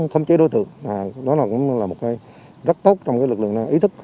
không chế đối tượng đó cũng là một cái rất tốt trong lực lượng ý thức